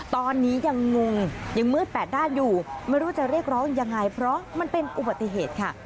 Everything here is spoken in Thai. ตอนนี้ยังงงยังมืดแปดด้านอยู่ไม่รู้จะเรียกร้องยังไงเพราะมันเป็นอุบัติเหตุค่ะ